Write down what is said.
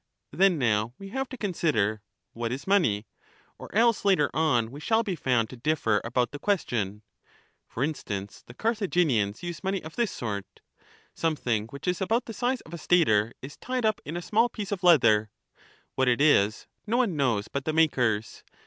Then now we have to consider, What is money? Or else later on we shall be found to differ about the question. Foi instance, the Carthaginians use money of this sort. Something which is about the size of a stater is tied up in a 400 small piece of leather : what it is, no one knows but the makers.